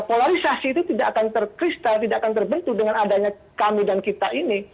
polarisasi itu tidak akan terkristal tidak akan terbentuk dengan adanya kami dan kita ini